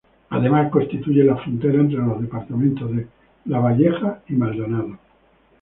Además constituye la frontera entre los departamentos de Lavalleja y Maldonado.